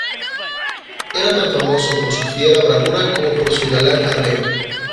era tan famoso por su fiera bravura como por su galán arreo.